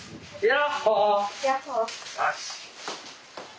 よし。